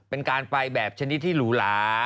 เป็นการไปแบบชนิดที่หรูหลา